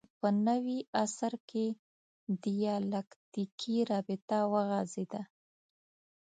په نوي عصر کې دیالکتیکي رابطه وغځېده